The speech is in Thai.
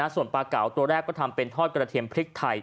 ส่วนปลาเก๋าตัวแรกก็ทำเป็นทอดกระเทียมพริกไทย